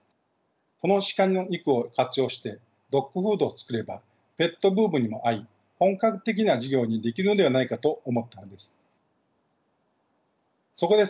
この鹿の肉を活用してドッグフードを作ればペットブームにも合い本格的な事業にできるのではないかと思ったのです。